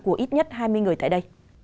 của ít nhất hai mươi người tại đây